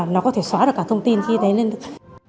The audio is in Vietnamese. nó có thể xóa được cả thông tin khi đấy lên được